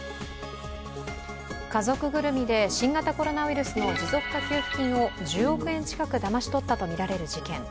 家族ぐるみで新型コロナウイルスの持続化給付金を１０億円近くだまし取ったとみられる事件。